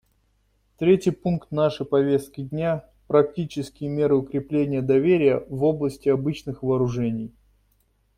Третий пункт нашей повестки дня — «Практические меры укрепления доверия в области обычных вооружений».